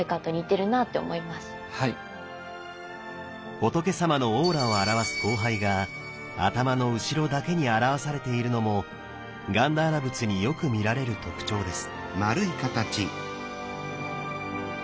仏さまのオーラを表す光背が頭の後ろだけに表されているのもガンダーラ仏によく見られる特徴です。